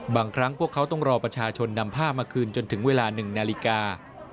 บางครั้งพวกเขาต้องรอประชาชนนำผ้ามาคืนจนถึงเวลา๑นาฬิกา